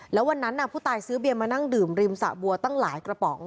แล้ววันนั้นผู้ตายซื้อเบียร์มานั่งดื่มริมสะบัวตั้งหลายกระป๋อง